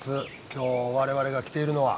今日我々が来ているのは。